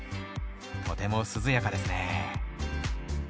とても涼やかですね。